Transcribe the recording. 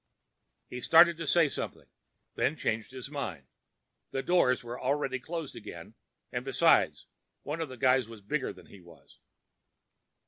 He started to say something, then changed his mind; the doors were already closed again, and besides, one of the guys was bigger than he was.